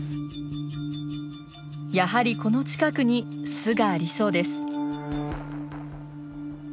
やはりこの近くに巣がありそうです。